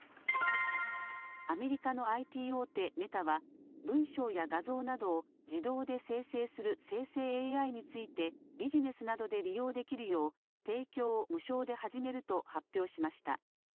アメリカのＩＴ大手、メタは文章や画像などを自動で生成する生成ＡＩについてビジネスなどで利用できるよう提供を無償で始めると発表しました。